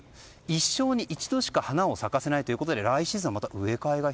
一生に一度しか花を咲かせないということで来シーズンは植え替えが